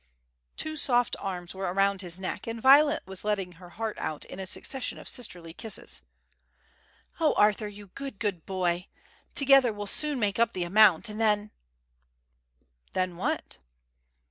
Two soft arms were around his neck and Violet was letting her heart out in a succession of sisterly kisses. "O, Arthur, you good, good boy! Together we'll soon make up the amount, and then " "Then what?"